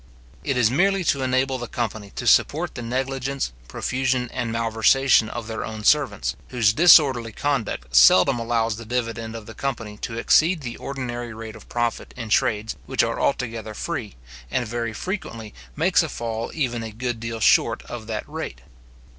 It is merely to enable the company to support the negligence, profusion, and malversation of their own servants, whose disorderly conduct seldom allows the dividend of the company to exceed the ordinary rate of profit in trades which are altogether free, and very frequently makes a fall even a good deal short of that rate.